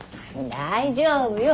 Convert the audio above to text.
大丈夫よ。